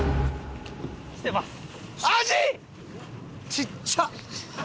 ちっちゃ！